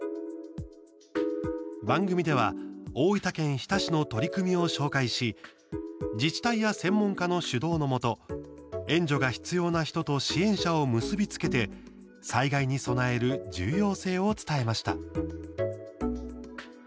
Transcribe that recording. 番組では大分県日田市の取り組みを紹介し自治体や専門家の主導のもと援助が必要な人と支援者を結び付けて災害に備える重要性を伝えました。